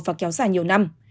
và kéo dài nhiều năm